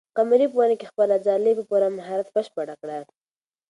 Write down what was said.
قمرۍ په ونې کې خپله ځالۍ په پوره مهارت بشپړه کړه.